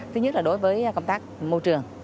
thứ nhất là đối với công tác môi trường